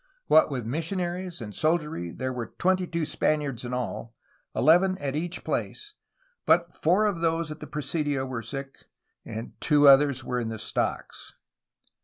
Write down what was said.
What with missionaries and soldiery there were twenty two Spaniards in all, eleven at each place, but four of those at the presidio were sick and two others were in the stocks.